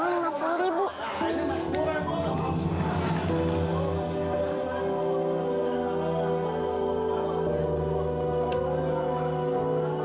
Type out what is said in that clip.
gimana caranya supaya aku bisa dapat uang lima puluh ribu